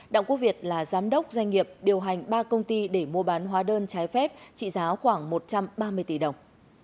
đặng quốc việt là giám đốc doanh nghiệp điều hành ba công ty để mua bán hóa đơn trái phép trị giá khoảng một trăm ba mươi tỷ đồng